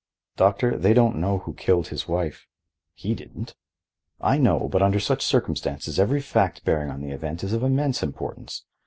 "Doctor, they don't know who killed his wife." "He didn't." "I know, but under such circumstances every fact bearing on the event is of immense importance.